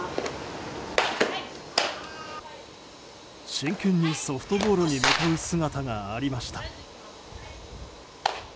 真剣にソフトボールに向かう姿がありました。